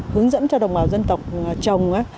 hướng dẫn cho đồng bào dân tộc trồng